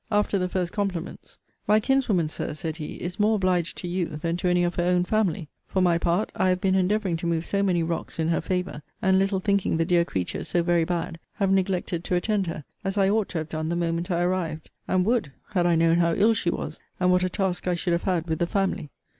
After the first compliments My kinswoman, Sir, said he, is more obliged to you than to any of her own family. For my part, I have been endeavouring to move so many rocks in her favour; and, little thinking the dear creature so very bad, have neglected to attend her, as I ought to have done the moment I arrived; and would, had I known how ill she was, and what a task I should have had with the family.